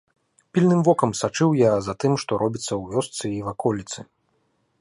Пільным вокам сачыў я за тым, што робіцца ў вёсцы і ваколіцы.